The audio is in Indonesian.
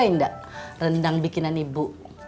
enggak rendang bikinan ibu